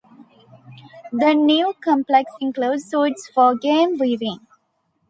The new complex includes suites for game viewing.